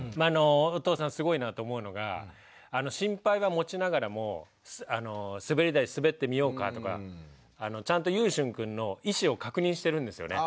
お父さんすごいなと思うのが心配は持ちながらもすべり台滑ってみようかとかちゃんとゆうしゅんくんの意思を確認してるんですよね。